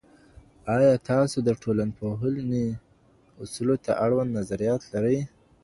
آیا تاسو د ټولنپوهني اصولو ته اړوند نظریات لرئ؟